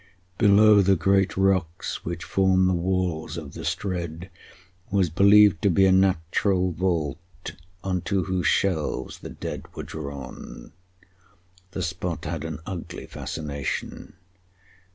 Below the great rocks which form the walls of the Strid was believed to be a natural vault, on to whose shelves the dead were drawn. The spot had an ugly fascination.